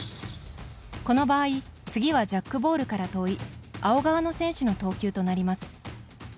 この場合、次はジャックボールから遠い青側の選手の投球となります。